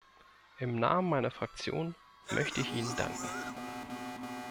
Im Namen meiner Fraktion möchte ich Ihnen danken.